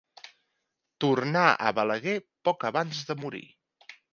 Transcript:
Tornà a Balaguer poc abans de morir.